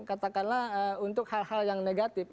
katakanlah untuk hal hal yang negatif